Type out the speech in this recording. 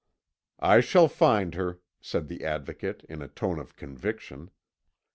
"I shall find her," said the Advocate in a tone of conviction.